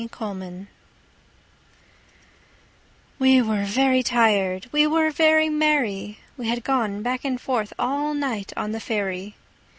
Recuerdo WE WERE very tired, we were very merry We had gone back and forth all night on the ferry.